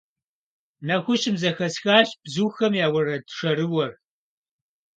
Нэхущым зэхэсхащ бзухэм я уэрэд шэрыуэр.